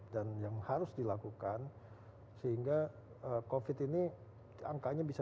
dan yang harus dilakukan sehingga covid ini angkanya bisa